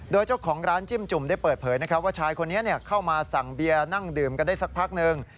โดยเจ้าของร้านจิ้มจุ่มได้เปิดเผยว่าชายคนนี้เข้ามาสั่งเบียร์นั่งดื่มกันได้สักพักหนึ่ง